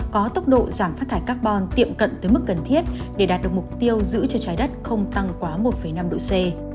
có tốc độ giảm phát thải carbon tiệm cận tới mức cần thiết để đạt được mục tiêu giữ cho trái đất không tăng quá một năm độ c